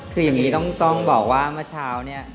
คืออย่างนี้ต้องบอกว่าเมื่อเช้าเนี่ย